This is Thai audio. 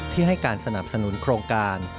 ให้การสนับสนุนโครงการ